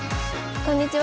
こんにちは。